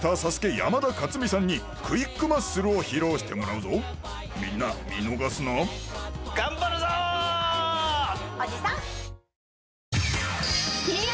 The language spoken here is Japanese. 山田勝己さんにクイックマッスルを披露してもらうぞみんな見逃すな頑張るぞおじさんっ